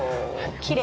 きれい。